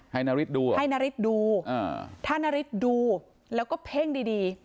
นาริสดูให้นาริสดูถ้านาริสดูแล้วก็เพ่งดีดี